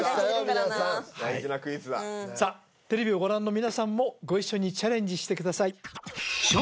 皆さん大事なクイズださあテレビをご覧の皆さんもご一緒にチャレンジしてください